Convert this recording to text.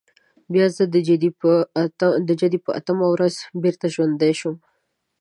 بیا زه د جدي پر اتمه ورځ بېرته ژوندی شوم.